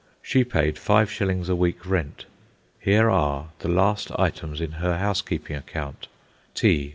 She paid five shillings a week rent. Here are the last items in her housekeeping account: Tea.